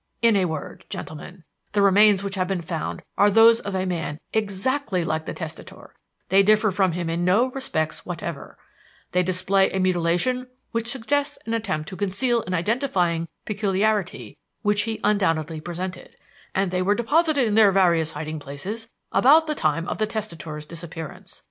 In a word, gentlemen, the remains which have been found are those of a man exactly like the testator; they differ from him in no respects whatever; they display a mutilation which suggests an attempt to conceal an identifying peculiarity which he undoubtedly presented; and they were deposited in their various hiding places about the time of the testator's disappearance.